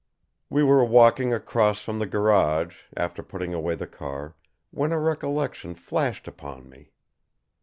We were walking across from the garage, after putting away the car, when a recollection flashed upon me.